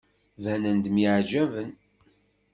Banen-d myeɛjaben.